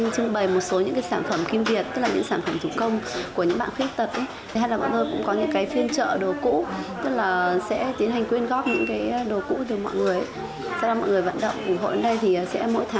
trưng bày một số những cái sản phẩm kim việt tức là những sản phẩm chủ công của những bạn khuyết